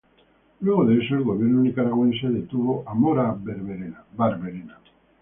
Luego de eso el gobierno nicaragüense detuvo a Mora Barberena.